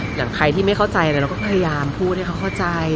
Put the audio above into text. อย่างใครที่ไม่เข้าใจอะไรเราก็พยายามพูดให้เขาเข้าใจ